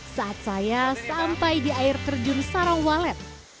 saat saya sampai di air terjun sarawalet